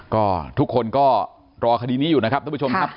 ก็ทุกคนก็รอคดีนี้อยู่นะครับทุกผู้ชมครับ